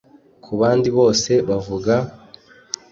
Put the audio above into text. kubandi bose bavuga